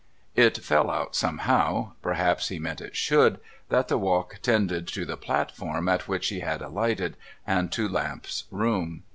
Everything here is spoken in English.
It fell out somehow (perhaps he meant it should) that the walk tended to the platform at which he had alighted, and to Lamps's room.